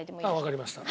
わかりました。